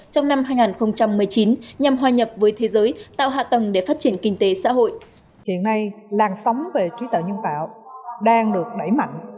trong năm hai nghìn một mươi chín nhằm hoa nhập với thế giới tạo hạ tầng để phát triển kinh tế xã hội